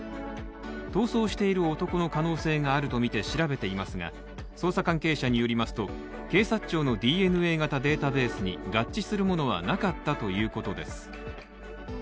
逃走している男の可能性があるとみて調べていますが、捜査関係者によりますと警察庁のＤＮＡ型データベースに合致するものはなかったということです。